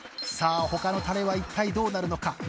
さあ他のたれは一体どうなるのか。